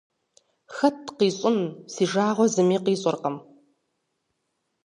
Хэт къищӏын си жагъуэ зыми къищӏыркъым.